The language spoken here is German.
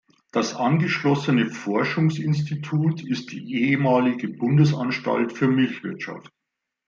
Das angeschlossene Forschungsinstitut ist die ehemalige Bundesanstalt für Milchwirtschaft.